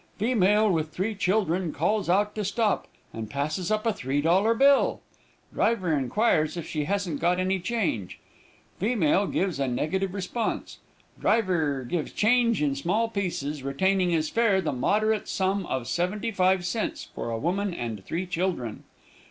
Female, with three children, calls out to stop, and passes up a three dollar bill. Driver inquires if she hasn't got any change. Female gives a negative response. Driver gives change in small pieces, retaining as fare the moderate sum of seventy five cents for a woman and three children.